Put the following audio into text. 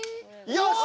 よし！